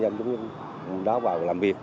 nhưng chúng tôi vào làm việc